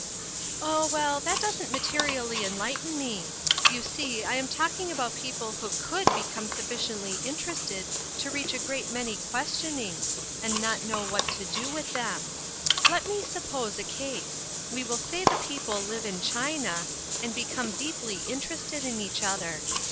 " Oh, well, that doesn't materially enlighten me. You see I am talking about people who could become sufficiently interested to reach a great many questionings, and not know what to do with them. Let me suppose a case. We will say the people live in China, and become deeply interested in each other.